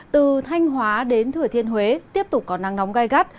từ thanh hóa đến thừa thiên huế tiếp tục có nắng nóng gai gắt